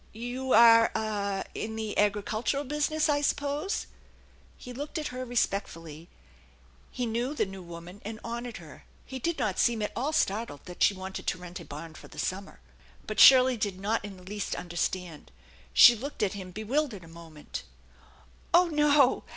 You are ah in the agricultural busi ness, I suppose?" He looked at her respectfully. He knew the new woman, and honored her. He did not seem at all startled that she wanted to rent a barn for the summer. But Shirley did not in the least understand. She looked at him bewildered a moment. " Oh, no